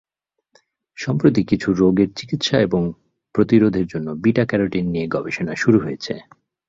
সম্প্রতি কিছু রোগের চিকিৎসা এবং প্রতিরোধের জন্য বিটা ক্যারোটিন নিয়ে গবেষণা শুরু হয়েছে।